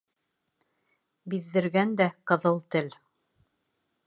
Биҙҙергән дә ҡыҙыл тел.